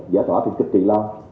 giả tỏa thì kịch kỳ lâu